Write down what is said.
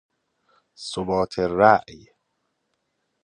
ثبات رأی